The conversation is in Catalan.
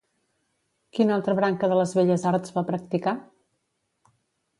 Quina altra branca de les belles arts va practicar?